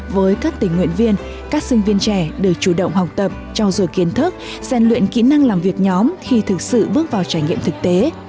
với các tình nguyện viên các sinh viên trẻ được chủ động học tập trao dồi kiến thức gian luyện kỹ năng làm việc nhóm khi thực sự bước vào trải nghiệm thực tế